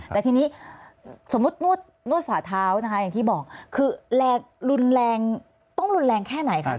แต่ทีนี้สมมุตินวดฝาเท้านะคะอย่างที่บอกคือแรงรุนแรงต้องรุนแรงแค่ไหนคะ